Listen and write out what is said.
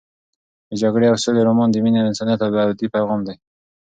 د جګړې او سولې رومان د مینې او انسانیت ابدي پیغام دی.